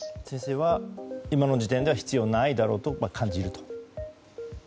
先生は今の時点では必要ないだろうと感じると。